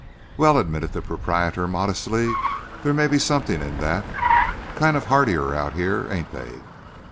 "Well," admitted the proprietor modestly, "they may be something in that. Kind of heartier out here, ain't they?